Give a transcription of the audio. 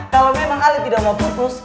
kalo memang ali tidak mau putus